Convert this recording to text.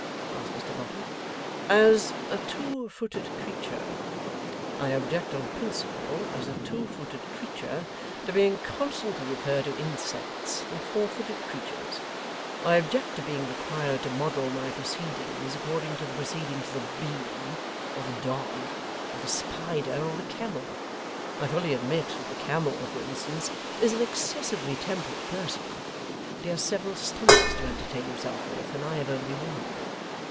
asked Mr Boffin. 'As a two footed creature; I object on principle, as a two footed creature, to being constantly referred to insects and four footed creatures. I object to being required to model my proceedings according to the proceedings of the bee, or the dog, or the spider, or the camel. I fully admit that the camel, for instance, is an excessively temperate person; but he has several stomachs to entertain himself with, and I have only one.